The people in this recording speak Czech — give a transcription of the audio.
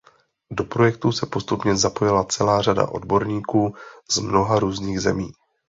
Do projektu se postupně zapojila celá řada odborníků z mnoha různých zemí.